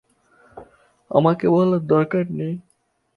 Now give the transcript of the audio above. আমাকে বলার দরকার নেই।